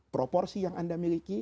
proporsi yang anda miliki